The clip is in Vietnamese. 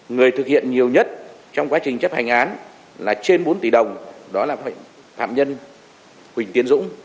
người thực hiện nhiều nhất trong quá trình chấp hành án là trên bốn tỷ đồng đó là phạm nhân huỳnh tiến dũng